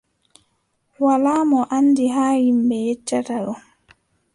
Walaa mo a anndi, haa ƴimɓe yeccata ɗo,